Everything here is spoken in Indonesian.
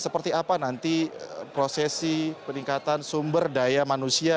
prosesi peningkatan sumber daya manusia